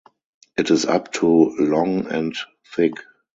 It is up to long and thick.